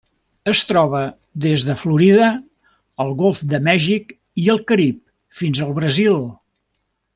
Es troba des de Florida, el Golf de Mèxic i el Carib fins al Brasil.